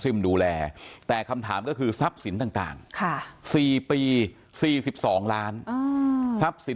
ดูแลแต่คำถามก็คือทรัพย์สินต่าง๔ปี๔๒ล้านทรัพย์สิน